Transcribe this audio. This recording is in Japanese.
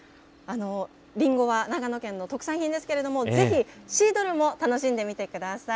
リンゴは長野県の特産品ですけれども、ぜひシードルも楽しんでみてください。